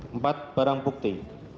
empat barang bukti